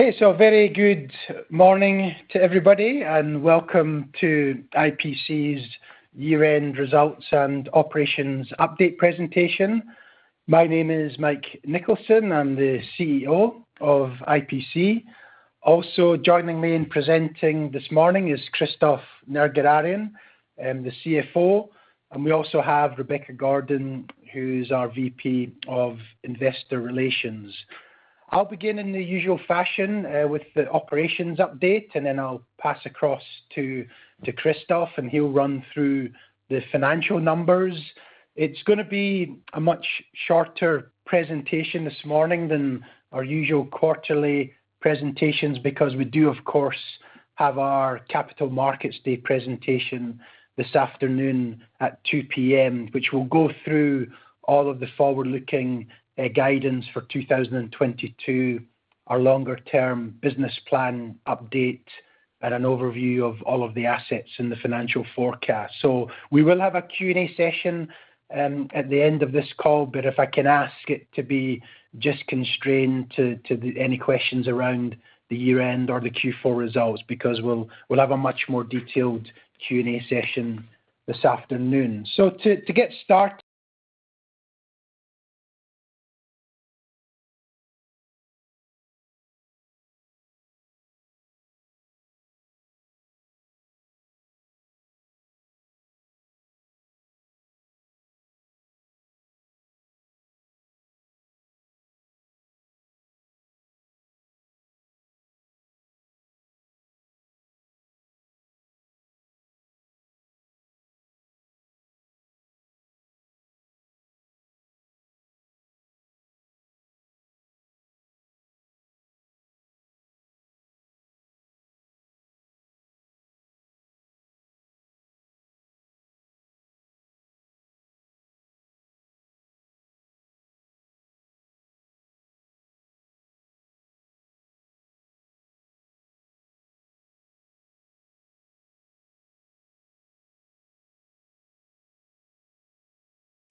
Okay. Very good morning to everybody, and welcome to IPC's year-end results and operations update presentation. My name is Mike Nicholson. I'm the CEO of IPC. Also joining me in presenting this morning is Christophe Nerguararian, the CFO, and we also have Rebecca Gordon, who's our VP of Investor Relations. I'll begin in the usual fashion, with the operations update, and then I'll pass across to Christophe, and he'll run through the financial numbers. It's going to be a much shorter presentation this morning than our usual quarterly presentations because we do, of course, have our Capital Markets Day presentation this afternoon at 2:00 P.M., which will go through all of the forward-looking, guidance for 2022, our longer term business plan update and an overview of all of the assets in the financial forecast. We will have a Q&A session at the end of this call, but if I can ask it to be just constrained to any questions around the year-end or the Q4 results because we'll have a much more detailed Q&A session this afternoon. To get started,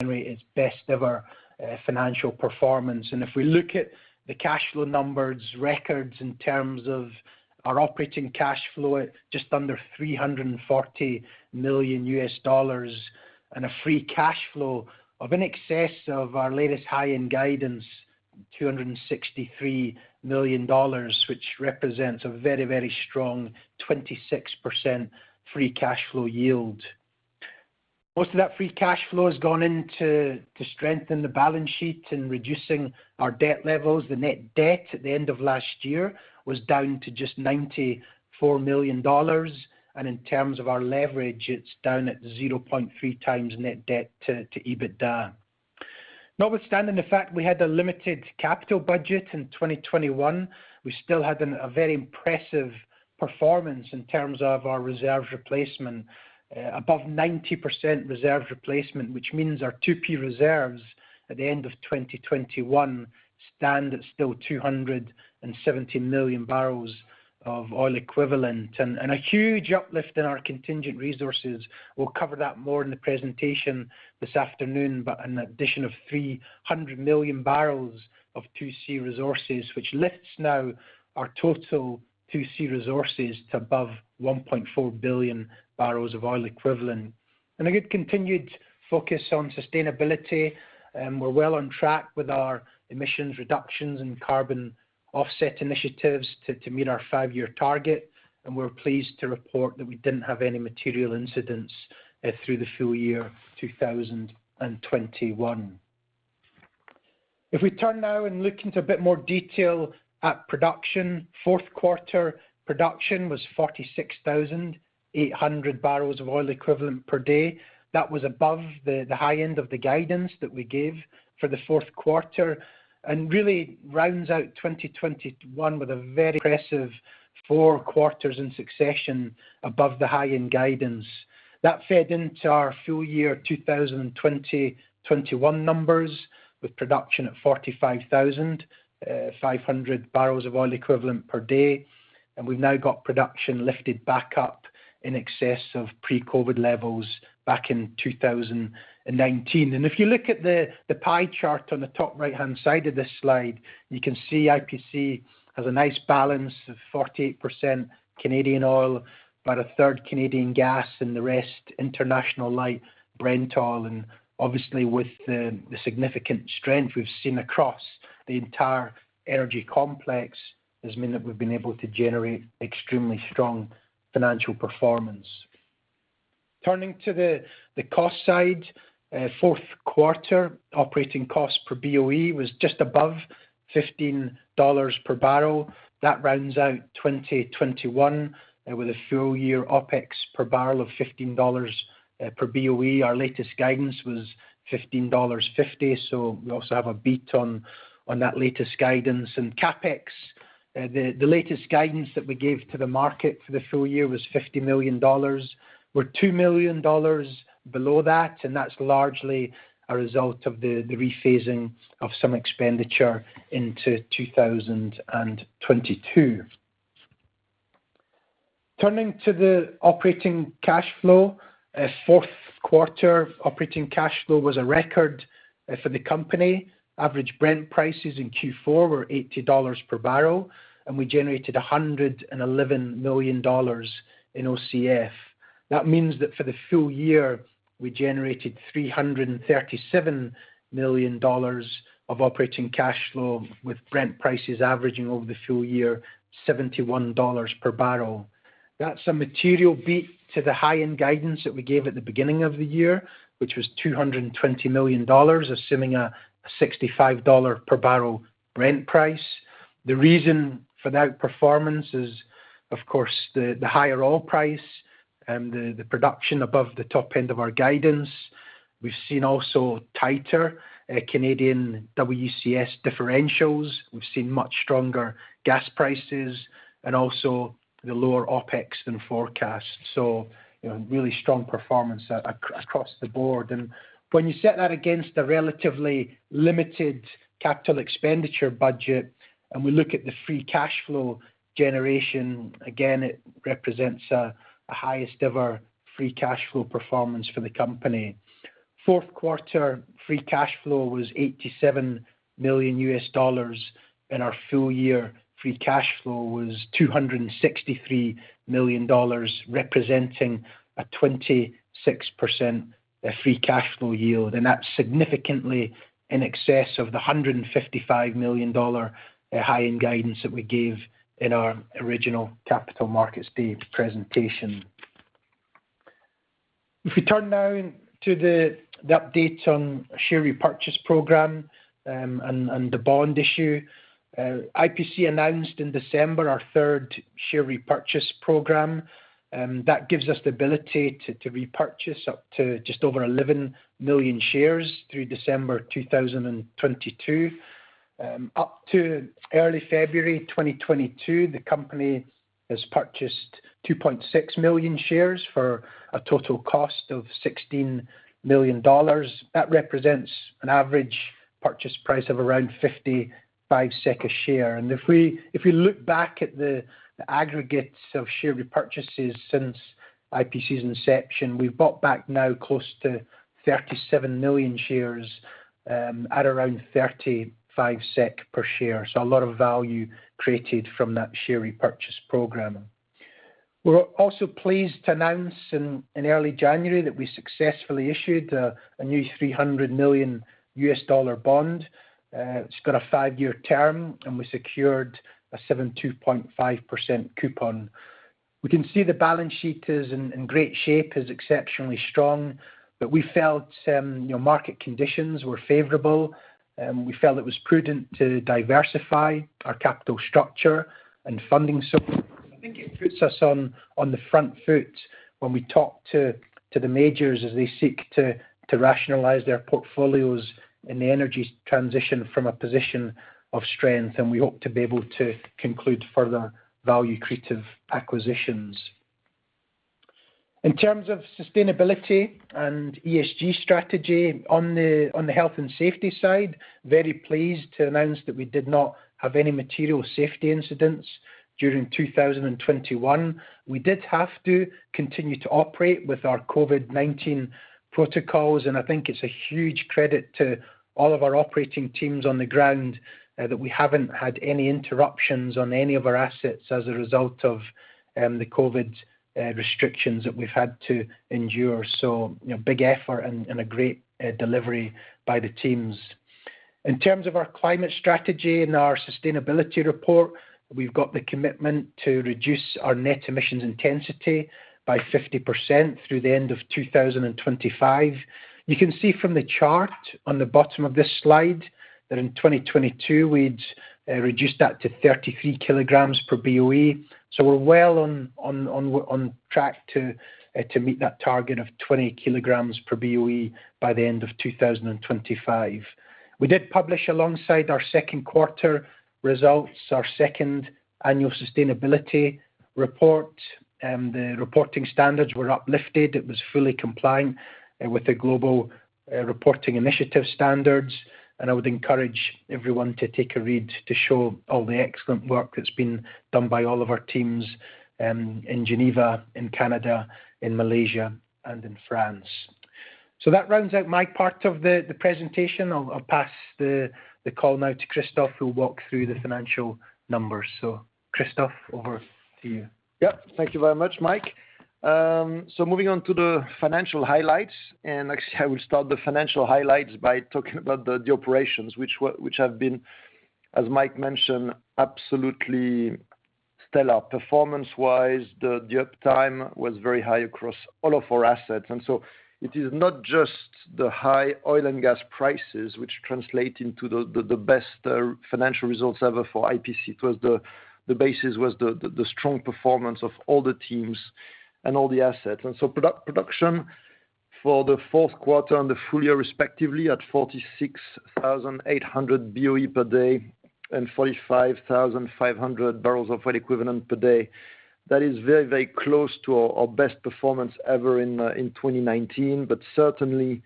IPC generated its best ever financial performance. If we look at the cash flow numbers, record in terms of our operating cash flow at just under $340 million and a free cash flow of in excess of our latest high-end guidance, $263 million, which represents a very, very strong 26% free cash flow yield. Most of that free cash flow has gone to strengthen the balance sheet and reducing our debt levels. The net debt at the end of last year was down to just $94 million, and in terms of our leverage, it's down at 0.3x net debt to EBITDA. Notwithstanding the fact we had a limited capital budget in 2021, we still had a very impressive performance in terms of our reserves replacement. Above 90% reserves replacement, which means our 2P reserves at the end of 2021 stand at still 270 million barrels of oil equivalent, and a huge uplift in our contingent resources. We'll cover that more in the presentation this afternoon. An addition of 300 million barrels of 2C resources which lifts now our total 2C resources to above 1.4 billion barrels of oil equivalent. A good continued focus on sustainability, we're well on track with our emissions reductions and carbon offset initiatives to meet our five-year target, and we're pleased to report that we didn't have any material incidents through the full year 2021. If we turn now and look into a bit more detail at production, Q4 production was 46,800 barrels of oil equivalent per day. That was above the high end of the guidance that we gave for the Q4, and really rounds out 2021 with a very impressive four quarters in succession above the high-end guidance. That fed into our full year 2021 numbers with production at 45,500 barrels of oil equivalent per day, and we've now got production lifted back up in excess of pre-COVID levels back in 2019. If you look at the pie chart on the top right-hand side of this slide, you can see IPC has a nice balance of 48% Canadian oil, about a third Canadian gas, and the rest international light Brent oil. Obviously, with the significant strength we've seen across the entire energy complex has meant that we've been able to generate extremely strong financial performance. Turning to the cost side, Q4 operating costs per BOE was just above $15 per barrel. That rounds out 2021 with a full year OpEx per barrel of $15 per BOE. Our latest guidance was $15.50. We also have a beat on that latest guidance. CapEx, the latest guidance that we gave to the market for the full year was $50 million. We're $2 million below that, and that's largely a result of the rephasing of some expenditure into 2022. Turning to the operating cash flow. Q4 operating cash flow was a record for the company. Average Brent prices in Q4 were $80 per barrel, and we generated $111 million in OCF. That means that for the full year, we generated $337 million of operating cash flow, with Brent prices averaging over the full year $71 per barrel. That's a material beat to the high-end guidance that we gave at the beginning of the year, which was $220 million, assuming a $65 per barrel Brent price. The reason for that performance is, of course, the higher oil price and the production above the top end of our guidance. We've seen also tighter Canadian WCS differentials. We've seen much stronger gas prices and also the lower OpEx than forecast. So, you know, really strong performance across the board. When you set that against the relatively limited capital expenditure budget, and we look at the free cash flow generation, again, it represents a highest ever free cash flow performance for the company. Q4 free cash flow was $87 million, and our full-year free cash flow was $263 million, representing a 26% free cash flow yield. That's significantly in excess of the $155 million high-end guidance that we gave in our original Capital Markets Day presentation. If we turn now into the update on share repurchase program, and the bond issue. IPC announced in December our third share repurchase program. That gives us the ability to repurchase up to just over 11 million shares through December 2022. Up to early February 2022, the company has purchased 2.6 million shares for a total cost of $16 million. That represents an average purchase price of around 55 SEK a share. If we look back at the aggregates of share repurchases since IPC's inception, we've bought back now close to 37 million shares at around 35 SEK per share. A lot of value created from that share repurchase program. We're also pleased to announce in early January that we successfully issued a new $300 million bond. It's got a five-year term, and we secured a 7.25% coupon. We can see the balance sheet is in great shape, is exceptionally strong, but we felt you know, market conditions were favorable, and we felt it was prudent to diversify our capital structure and funding sources. I think it puts us on the front foot when we talk to the majors as they seek to rationalize their portfolios in the energy transition from a position of strength, and we hope to be able to conclude further value-creative acquisitions. In terms of sustainability and ESG strategy on the health and safety side, very pleased to announce that we did not have any material safety incidents during 2021. We did have to continue to operate with our COVID-19 protocols, and I think it's a huge credit to all of our operating teams on the ground that we haven't had any interruptions on any of our assets as a result of the COVID restrictions that we've had to endure. You know, big effort and a great delivery by the teams. In terms of our climate strategy and our sustainability report, we've got the commitment to reduce our net emissions intensity by 50% through the end of 2025. You can see from the chart on the bottom of this slide that in 2022 we'd reduced that to 33 kilograms per BOE. We're well on track to meet that target of 20 kilograms per BOE by the end of 2025. We did publish alongside our Q2 results, our second annual sustainability report. The reporting standards were uplifted. It was fully compliant with the Global Reporting Initiative standards, and I would encourage everyone to take a read to show all the excellent work that's been done by all of our teams in Geneva, in Canada, in Malaysia, and in France. That rounds out my part of the presentation. I'll pass the call now to Christophe, who will walk through the financial numbers. Christophe, over to you. Yeah. Thank you very much, Mike. Moving on to the financial highlights, and actually, I will start the financial highlights by talking about the operations which have been, as Mike mentioned, absolutely stellar. Performance-wise, the uptime was very high across all of our assets. It is not just the high oil and gas prices which translate into the best financial results ever for IPC. It was the basis was the strong performance of all the teams and all the assets. Production for the Q4 and the full year respectively, at 46,800 BOE per day and 45,500 barrels of oil equivalent per day. That is very close to our best performance ever in 2019. Certainly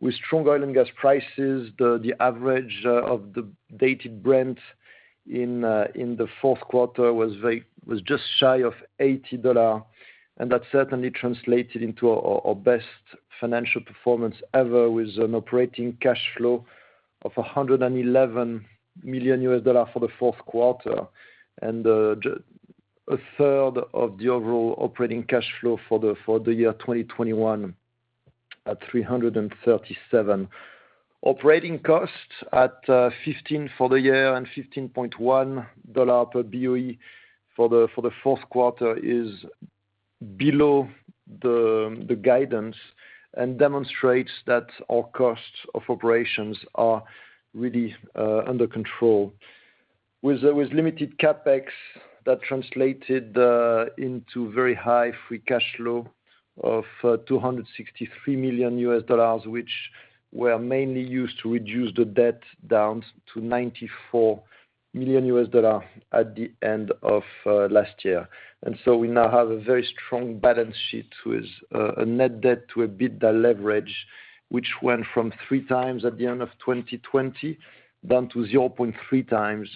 with strong oil and gas prices, the average of the dated Brent in the Q4 was just shy of $80, and that certainly translated into our best financial performance ever with an operating cash flow of $111 million for the Q4, and just a third of the overall operating cash flow for the year 2021 at $337 million. Operating costs at $15 for the year and $15.1 per BOE for the Q4 is below the guidance and demonstrates that our costs of operations are really under control. With limited CapEx that translated into very high free cash flow of $263 million, which were mainly used to reduce the debt down to $94 million at the end of last year. We now have a very strong balance sheet with a net debt to EBITDA leverage, which went from 3x at the end of 2020 down to 0.3x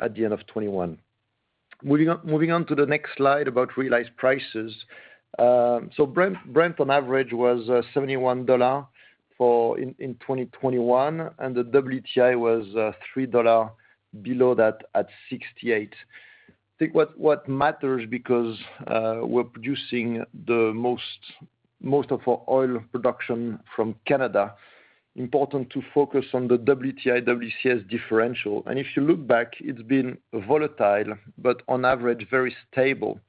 at the end of 2021. Moving on to the next slide about realized prices. Brent on average was $71 in 2021, and the WTI was $3 below that at $68. I think what matters because we're producing the most of our oil production from Canada. It's important to focus on the WTI-WCS differential. If you look back, it's been volatile, but on average very stable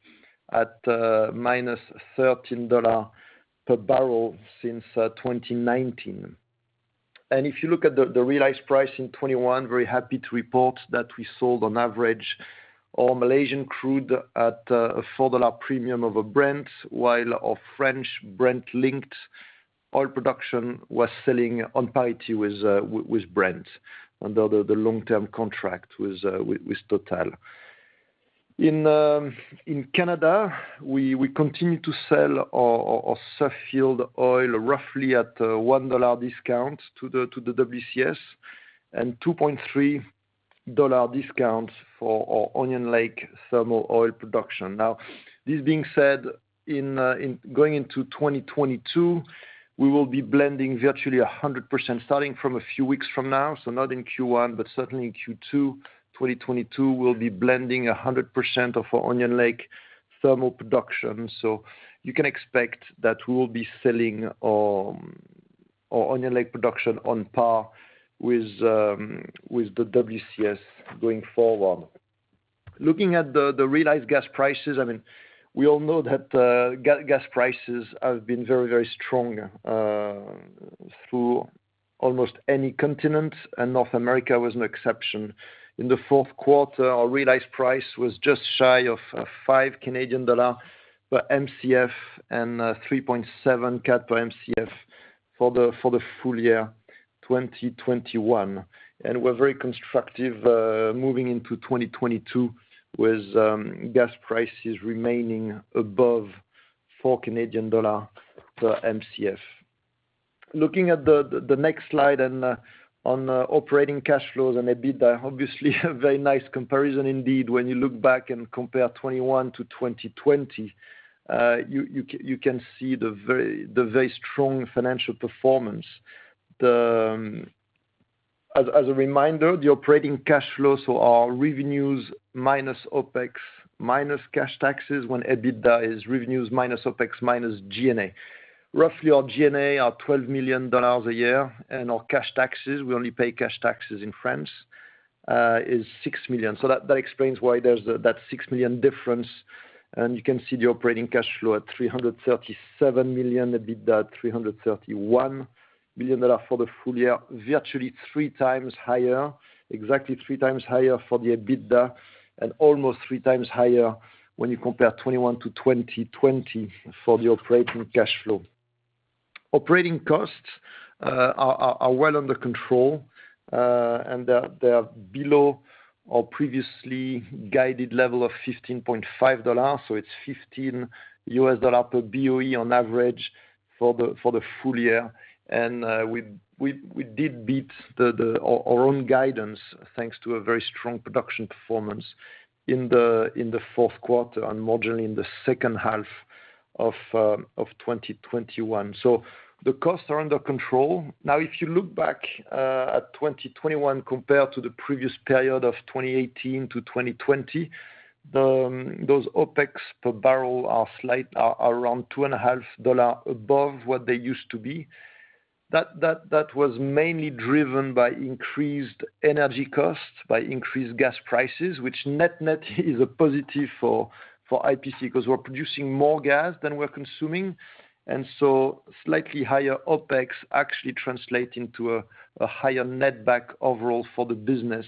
at -$13 per barrel since 2019. If you look at the realized price in 2021, very happy to report that we sold on average our Malaysian crude at a $4 premium over Brent, while our French Brent linked oil production was selling on parity with Brent under the long-term contract with Total. In Canada, we continue to sell our Suffield oil roughly at a $1 discount to the WCS and $2.3 discount for our Onion Lake thermal oil production. Now, this being said, in going into 2022, we will be blending virtually 100% starting from a few weeks from now, so not in Q1, but certainly in Q2 2022, we'll be blending 100% of our Onion Lake thermal production. You can expect that we will be selling our Onion Lake production on par with the WCS going forward. Looking at the realized gas prices, I mean, we all know that gas prices have been very, very strong through almost any continent, and North America was no exception. In the Q4, our realized price was just shy of 5 Canadian dollar per Mcf and 3.7 per Mcf for the full year 2021. We're very constructive moving into 2022 with gas prices remaining above 4 Canadian dollar per Mcf. Looking at the next slide and on operating cash flows and EBITDA, obviously a very nice comparison indeed. When you look back and compare 2021 to 2020, you can see the very strong financial performance. As a reminder, the operating cash flows are our revenues minus OpEx minus cash taxes when EBITDA is revenues minus OpEx minus G&A. Roughly our G&A are $12 million a year, and our cash taxes, we only pay cash taxes in France, is $6 million. That explains why there's that six million difference, and you can see the operating cash flow at $337 million, EBITDA at $331 million for the full year, virtually 3x higher, exactly 3x higher for the EBITDA and almost 3x higher when you compare 2021 to 2020 for the operating cash flow. Operating costs are well under control, and they are below our previously guided level of $15.5. It's $15 per BOE on average for the full year. We did beat our own guidance, thanks to a very strong production performance in the Q4 and marginally in the second half of 2021. The costs are under control. Now, if you look back at 2021 compared to the previous period of 2018 to 2020, those OpEx per barrel are around $2.50 above what they used to be. That was mainly driven by increased energy costs, by increased gas prices, which net-net is a positive for IPC because we're producing more gas than we're consuming. Slightly higher OpEx actually translate into a higher netback overall for the business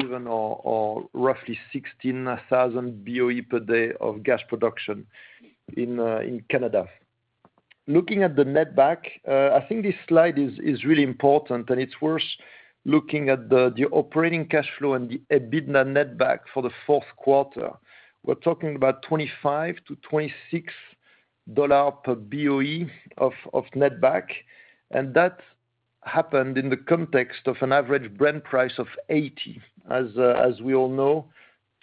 given our roughly 16,000 BOE per day of gas production in Canada. Looking at the netback, I think this slide is really important, and it's worth looking at the operating cash flow and the EBITDA netback for the Q4. We're talking about $25-$26 per BOE of netback, and that happened in the context of an average Brent price of $80. As we all know,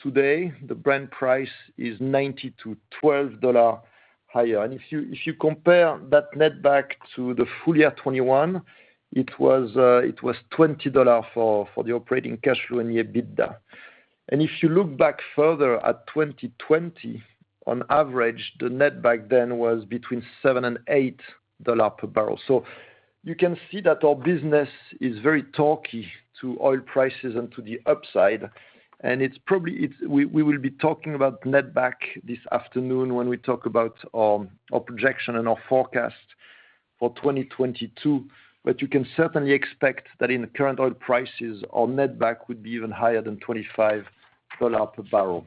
today, the Brent price is $90-$112 higher. If you compare that netback to the full year 2021, it was $20 for the operating cash flow and EBITDA. If you look back further at 2020, on average, the netback then was $7-$8 per barrel. You can see that our business is very torquey to oil prices and to the upside. We will be talking about netback this afternoon when we talk about our projection and our forecast for 2022. You can certainly expect that in the current oil prices, our netback would be even higher than $25 per barrel.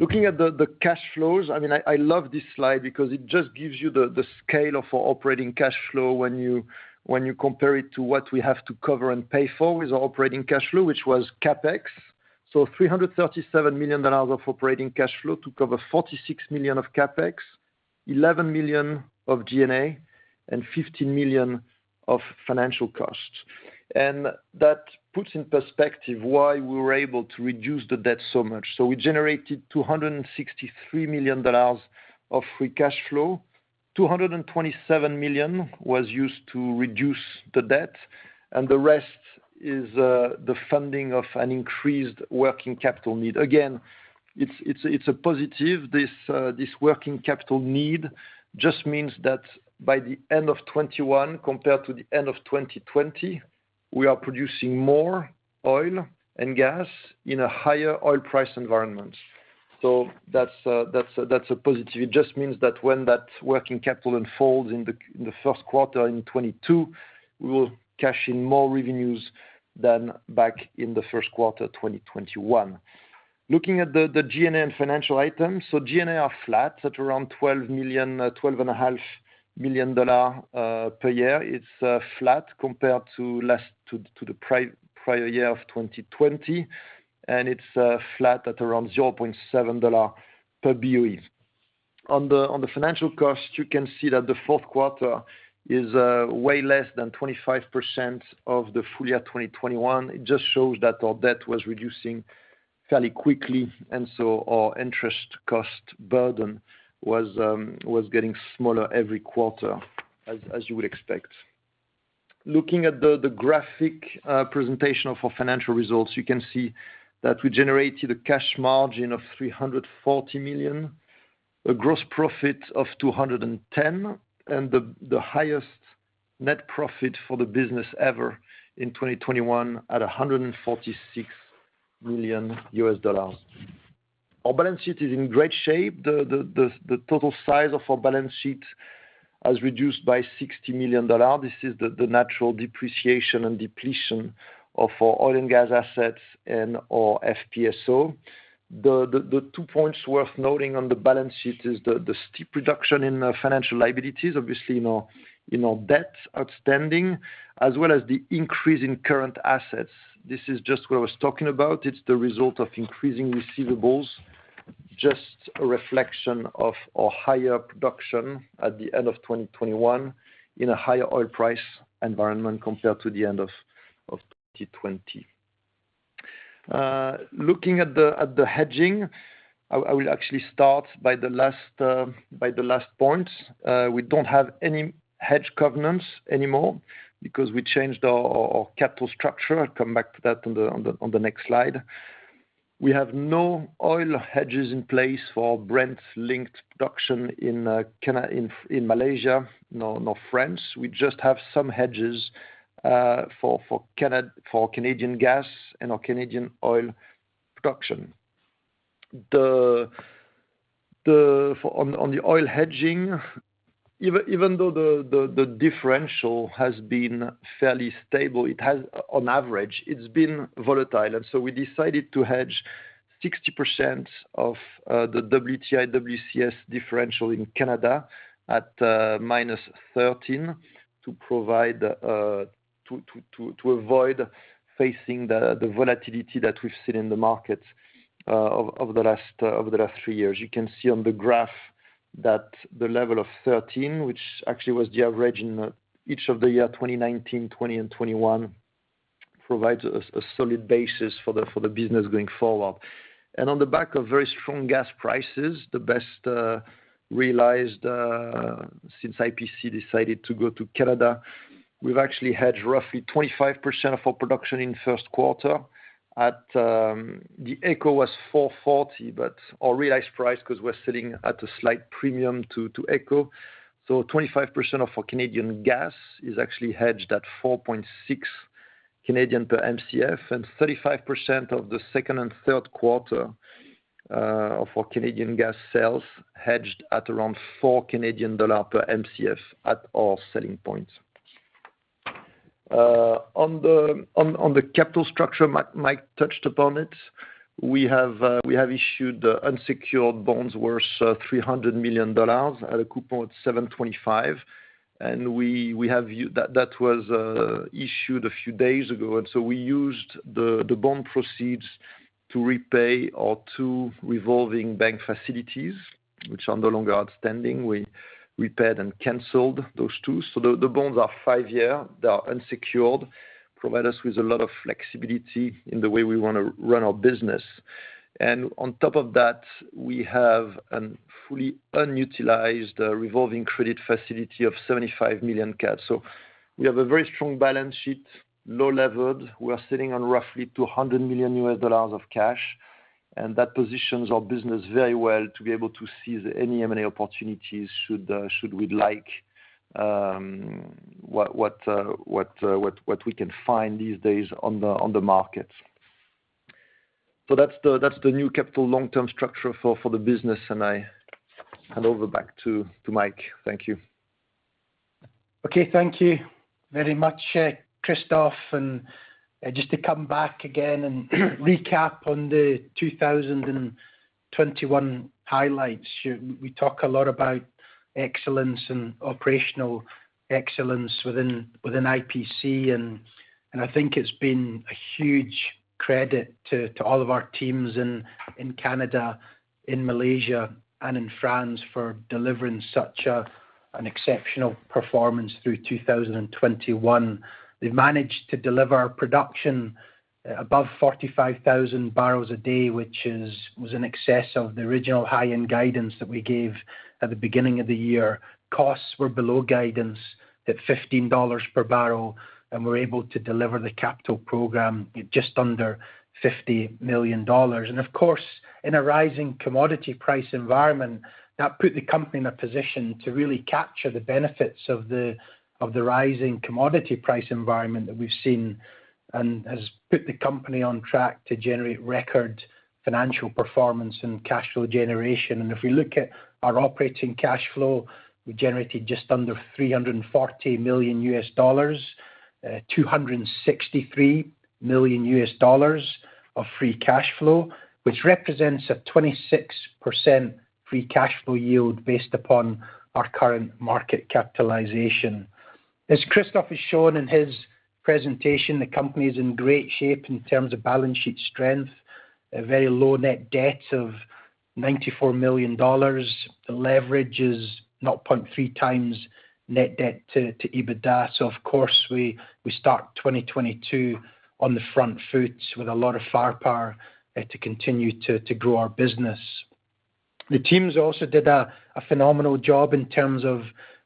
Looking at the cash flows, I mean, I love this slide because it just gives you the scale of our operating cash flow when you compare it to what we have to cover and pay for with our operating cash flow, which was CapEx. $337 million of operating cash flow to cover $46 million of CapEx, $11 million of G&A, and $15 million of financial costs. That puts in perspective why we were able to reduce the debt so much. We generated $263 million of free cash flow. $227 million was used to reduce the debt, and the rest is the funding of an increased working capital need. Again, it's a positive. This working capital need just means that by the end of 2021, compared to the end of 2020, we are producing more oil and gas in a higher oil price environment. That's a positive. It just means that when that working capital unfolds in the Q1 in 2022, we will cash in more revenues than back in the Q1, 2021. Looking at the G&A and financial items. G&A are flat at around $12.5 million per year. It's flat compared to the prior year of 2020. It's flat at around $0.7 per BOE. On the financial cost, you can see that the Q4 is way less than 25% of the full year 2021. It just shows that our debt was reducing fairly quickly, and so our interest cost burden was getting smaller every quarter as you would expect. Looking at the graphic presentation of our financial results, you can see that we generated a cash margin of $340 million, a gross profit of $210 million, and the highest net profit for the business ever in 2021 at $146 million. Our balance sheet is in great shape. The total size of our balance sheet has reduced by $60 million. This is the natural depreciation and depletion of our oil and gas assets and our FPSO. The two points worth noting on the balance sheet is the steep reduction in financial liabilities, obviously in our debt outstanding, as well as the increase in current assets. This is just what I was talking about. It's the result of increasing receivables, just a reflection of our higher production at the end of 2021 in a higher oil price environment compared to the end of 2020. Looking at the hedging, I will actually start by the last point. We don't have any hedge covenants anymore because we changed our capital structure. I'll come back to that on the next slide. We have no oil hedges in place for Brent-linked production in Canada, in Malaysia, nor France. We just have some hedges for Canadian gas and our Canadian oil production. For the oil hedging, even though the differential has been fairly stable, on average, it's been volatile. We decided to hedge 60% of the WTI-WCS differential in Canada at -$13 to avoid facing the volatility that we've seen in the markets over the last three years. You can see on the graph that the level of $13, which actually was the average in each of the years 2019, 2020, and 2021, provides a solid basis for the business going forward. On the back of very strong gas prices, the best realized since IPC decided to go to Canada, we've actually hedged roughly 25% of our production in Q1 at AECO was $4.40, but our realized price, 'cause we're sitting at a slight premium to AECO. 25% of our Canadian gas is actually hedged at 4.6 per Mcf and 35% of the Q2 and Q3 of our Canadian gas sales hedged at around 4 Canadian dollars per Mcf at our selling points. On the capital structure, Mike touched upon it. We have issued unsecured bonds worth $300 million at a coupon of 7.25%. That was issued a few days ago, and we used the bond proceeds to repay our two revolving bank facilities, which are no longer outstanding. We repaid and canceled those two. The bonds are five-year, they are unsecured, provide us with a lot of flexibility in the way we want to run our business. On top of that, we have a fully unutilized revolving credit facility of $75 million. We have a very strong balance sheet, low-levered. We are sitting on roughly $200 million of cash, and that positions our business very well to be able to seize any M&A opportunities should we like what we can find these days on the market. That's the new capital long-term structure for the business, and I hand over back to Mike. Thank you. Okay, thank you very much, Christophe. Just to come back again and recap on the 2021 highlights. We talk a lot about excellence and operational excellence within IPC and I think it's been a huge credit to all of our teams in Canada, in Malaysia, and in France for delivering such an exceptional performance through 2021. They've managed to deliver production above 45,000 barrels a day, which was in excess of the original high-end guidance that we gave at the beginning of the year. Costs were below guidance at $15 per barrel, and we're able to deliver the capital program at just under $50 million. Of course, in a rising commodity price environment, that put the company in a position to really capture the benefits of the rising commodity price environment that we've seen and has put the company on track to generate record financial performance and cash flow generation. If we look at our operating cash flow, we generated just under $340 million, $263 million of free cash flow, which represents a 26% free cash flow yield based upon our current market capitalization. As Christophe has shown in his presentation, the company is in great shape in terms of balance sheet strength. A very low net debt of $94 million. The leverage is 0.3x net debt to EBITDA. Of course, we start 2022 on the front foot with a lot of firepower to continue to grow our business. The teams also did a phenomenal job in terms of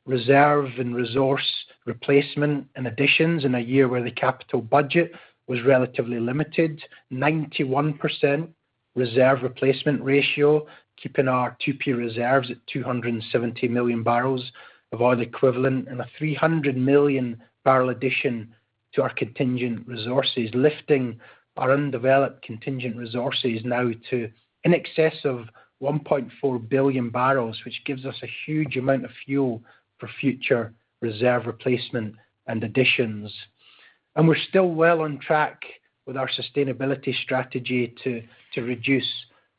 reserve and resource replacement and additions in a year where the capital budget was relatively limited. 91% reserve replacement ratio, keeping our 2P reserves at 270 million barrels of oil equivalent, and a 300 million barrel addition to our contingent resources. Lifting our undeveloped contingent resources now to in excess of 1.4 billion barrels, which gives us a huge amount of fuel for future reserve replacement and additions. We're still well on track with our sustainability strategy to reduce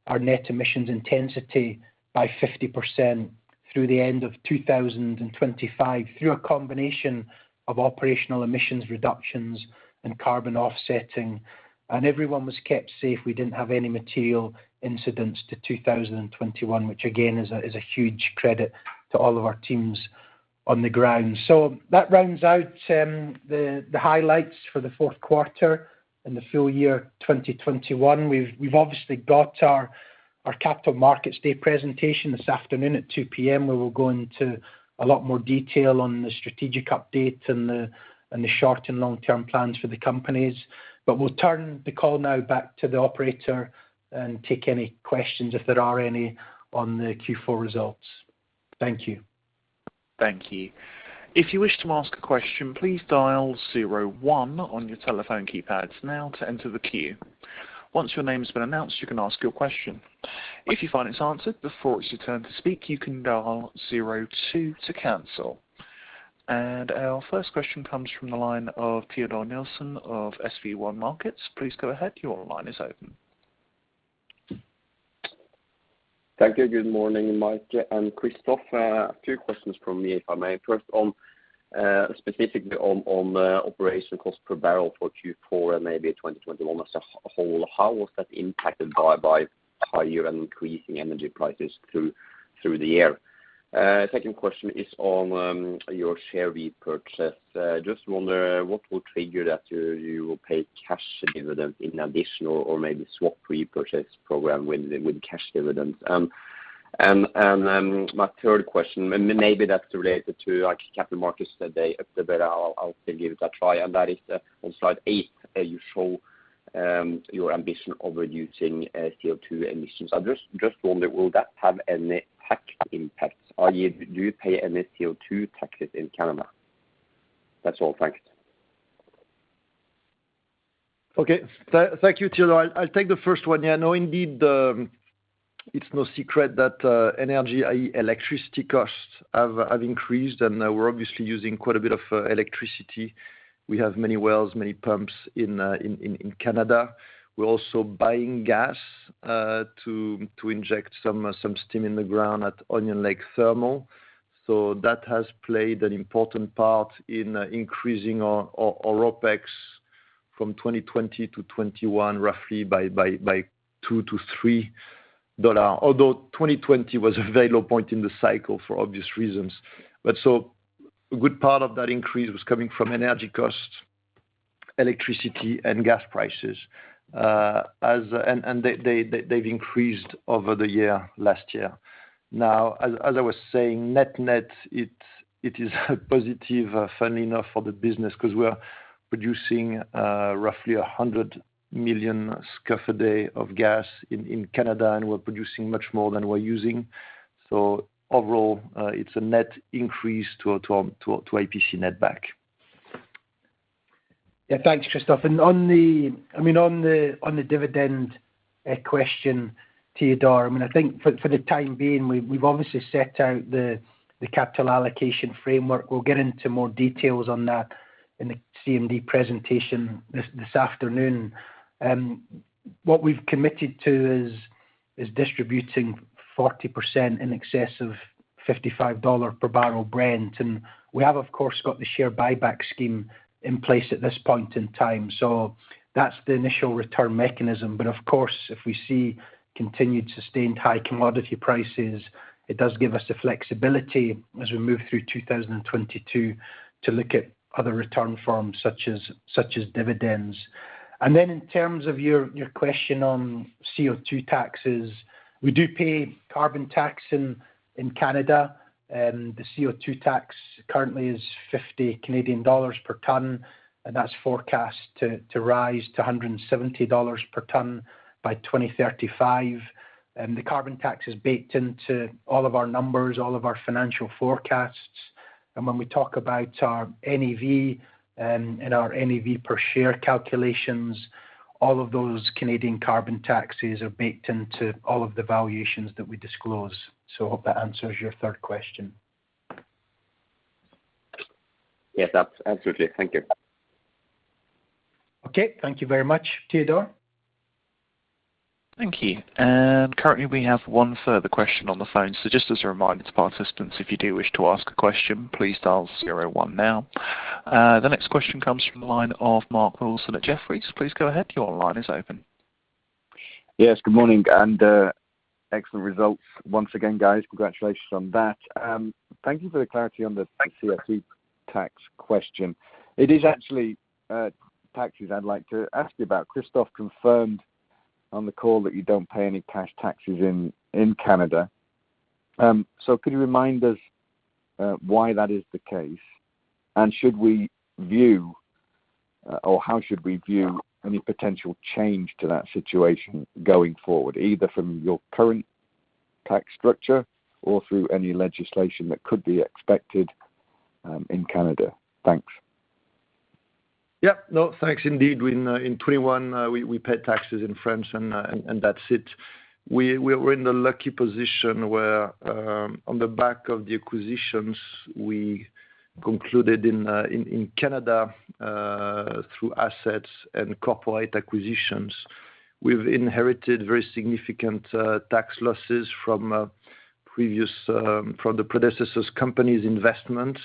our net emissions intensity by 50% through the end of 2025, through a combination of operational emissions reductions and carbon offsetting. Everyone was kept safe. We didn't have any material incidents to 2021, which again is a huge credit to all of our teams on the ground. That rounds out the highlights for the Q4 and the full year 2021. We've obviously got our Capital Markets Day presentation this afternoon at 2 P.M., where we'll go into a lot more detail on the strategic update and the short and long-term plans for the companies. We'll turn the call now back to the operator and take any questions, if there are any, on the Q4 results. Thank you. Thank you. If you wish to ask a question, please dial zero one on your telephone keypads now to enter the queue. Once your name has been announced, you can ask your question. If you find it's answered before it's your turn to speak, you can dial zero two to cancel. Our first question comes from the line of Teodor Nilsen of SpareBank 1 Markets. Please go ahead. Your line is open. Thank you. Good morning, Mike and Christophe. A few questions from me, if I may. First on, specifically on operating cost per barrel for Q4 and maybe 2021 as a whole. How was that impacted by higher and increasing energy prices through the year? Second question is on your share repurchase. I just wonder what will trigger that you will pay cash dividends in addition or maybe swap repurchase program with cash dividends. My third question, and maybe that's related to like Capital Markets Day, but I'll still give it a try. That is on slide eight, you show your ambition of reducing CO2 emissions. I just wonder, will that have any tax impacts? Do you pay any CO2 taxes in Canada? That's all. Thanks. Okay. Thank you, Teodor. I'll take the first one. Yeah, no, indeed, it's no secret that energy, i.e., electricity costs have increased, and we're obviously using quite a bit of electricity. We have many wells, many pumps in Canada. We're also buying gas to inject some steam in the ground at Onion Lake Thermal. That has played an important part in increasing our OpEx from 2020 to 2021, roughly by $2-$3. Although 2020 was a very low point in the cycle for obvious reasons. A good part of that increase was coming from energy costs, electricity and gas prices. They have increased over the year, last year. Now, as I was saying, net-net it is a positive funding offer for the business, because we are producing roughly 100 million scf a day of gas in Canada, and we're producing much more than we're using. Overall, it's a net increase to IPC netback. Yeah. Thanks, Christophe. On the dividend question, Teodor, I mean, I think for the time being, we've obviously set out the capital allocation framework. We'll get into more details on that in the CMD presentation this afternoon. What we've committed to is distributing 40% in excess of $55 per barrel Brent. We have, of course, got the share buyback scheme in place at this point in time. That's the initial return mechanism. Of course, if we see continued sustained high commodity prices, it does give us the flexibility as we move through 2022 to look at other return forms such as dividends. In terms of your question on CO2 taxes, we do pay carbon tax in Canada, and the CO2 tax currently is 50 Canadian dollars per ton, and that's forecast to rise to 170 dollars per ton by 2035. The carbon tax is baked into all of our numbers, all of our financial forecasts. When we talk about our NAV and our NAV per share calculations, all of those Canadian carbon taxes are baked into all of the valuations that we disclose. Hope that answers your third question. Yes, absolutely. Thank you. Okay. Thank you very much, Teodor. Thank you. Currently we have one further question on the phone. Just as a reminder to participants, if you do wish to ask a question, please dial zero one now. The next question comes from the line of Mark Wilson at Jefferies. Please go ahead, your line is open. Yes, good morning, and excellent results once again, guys. Congratulations on that. Thank you for the clarity on the tax question. It is actually taxes I'd like to ask you about. Christophe confirmed on the call that you don't pay any cash taxes in Canada. So could you remind us why that is the case? Should we view or how should we view any potential change to that situation going forward, either from your current tax structure or through any legislation that could be expected in Canada? Thanks. Yeah. No, thanks indeed. In 2021, we paid taxes in France and that's it. We're in the lucky position where, on the back of the acquisitions we concluded in Canada, through assets and corporate acquisitions, we've inherited very significant tax losses from previous from the predecessor's company's investment.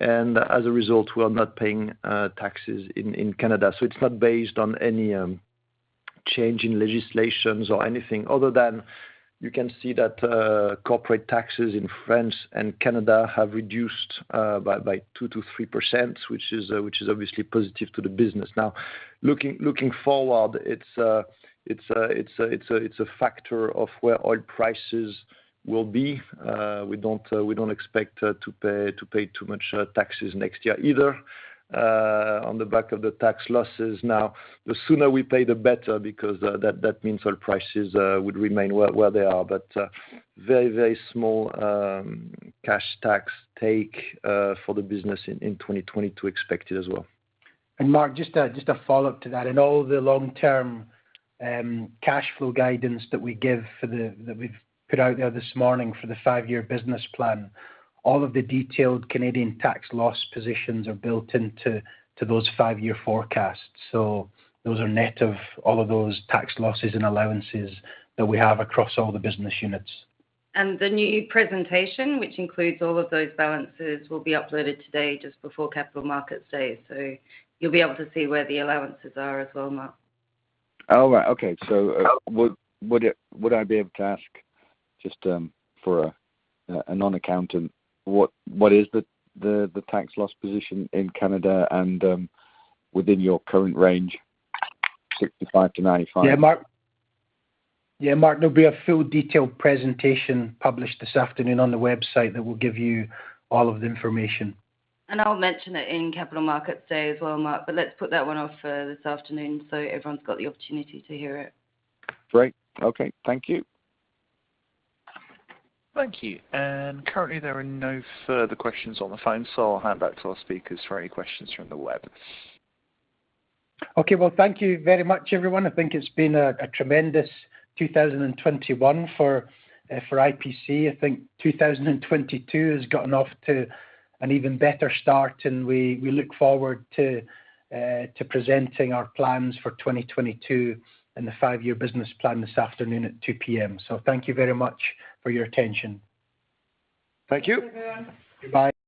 As a result, we are not paying taxes in Canada. It's not based on any change in legislation or anything other than you can see that corporate taxes in France and Canada have reduced by 2%-3%, which is obviously positive to the business. Now, looking forward, it's a factor of where oil prices will be. We don't expect to pay too much taxes next year either, on the back of the tax losses. Now, the sooner we pay, the better because that means oil prices would remain where they are. Very small cash tax take for the business in 2022 expected as well. Mark, just a follow-up to that. In all the long-term cash flow guidance that we've put out there this morning for the five-year business plan, all of the detailed Canadian tax loss positions are built into those five-year forecasts. Those are net of all of those tax losses and allowances that we have across all the business units. The new presentation, which includes all of those balances, will be uploaded today just before Capital Markets Day. You'll be able to see where the allowances are as well, Mark. All right. Okay. Would I be able to ask just, for a non-accountant, what is the tax loss position in Canada and within your current range, 65-95? Yeah, Mark, there'll be a full detailed presentation published this afternoon on the website that will give you all of the information. I'll mention it in Capital Markets Day as well, Mark, but let's put that one off for this afternoon, so everyone's got the opportunity to hear it. Great. Okay. Thank you. Thank you. Currently there are no further questions on the phone, so I'll hand back to our speakers for any questions from the web. Okay. Well, thank you very much, everyone. I think it's been a tremendous 2021 for IPC. I think 2022 has gotten off to an even better start, and we look forward to presenting our plans for 2022 and the five-year business plan this afternoon at 2:00 P.M. Thank you very much for your attention. Thank you. Thank you, everyone. Goodbye.